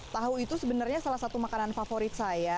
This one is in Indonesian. tahu itu sebenarnya salah satu makanan favorit saya